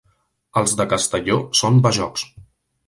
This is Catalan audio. Els de Castelló són bajocs.